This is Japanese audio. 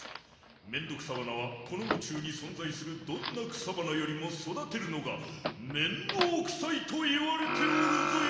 メンドクサバナはこのうちゅうにそんざいするどんな草花よりもそだてるのがめんどうくさいといわれておるぞよ！